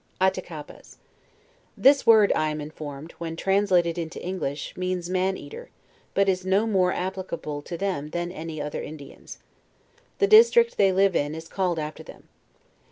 ATTAKAPAS This word, I am informed, when transla ted into English, means Man eater, but is no more applicable to them than any other Indians. The district they live in is called after them.